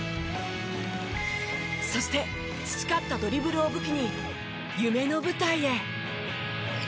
そして培ったドリブルを武器に夢の舞台へ。